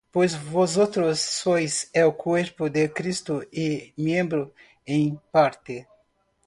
Pues vosotros sois el cuerpo de Cristo, y miembros en parte.